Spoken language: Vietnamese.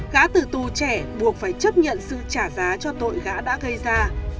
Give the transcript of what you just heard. gã từ tù trẻ buộc phải chấp nhận sự trả giá cho tội gã đã gây ra